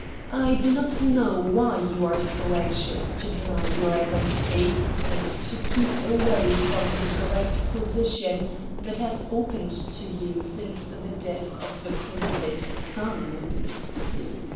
I do not know why you are so anxious to deny your identity and to keep away from the great position that has opened to you since the death of the Prince's son."